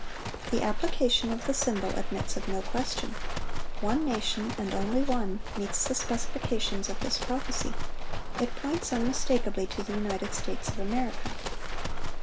The application of the symbol admits of no question. One nation, and only one, meets the specifications of this prophecy; it points unmistakably to the United States of America.